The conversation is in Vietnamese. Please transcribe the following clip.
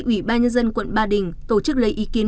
ủy ban nhân dân quận ba đình tổ chức lấy ý kiến